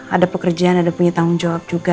ada pekerjaan ada punya tanggung jawab juga